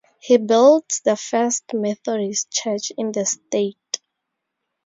He built the first Methodist church in the state.